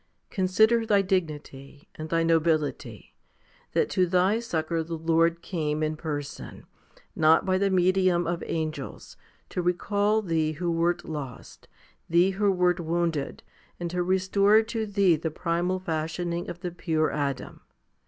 Consider thy dignity and thy nobility, that to thy succour the Lord came in person, not by the medium of angels, to recall thee who wert lost, thee who wert wounded, and to restore to thee the primal fashioning of the pure Adam.